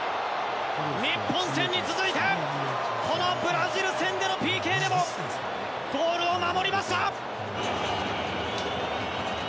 日本戦に続いてブラジル戦でのＰＫでもゴールを守りました！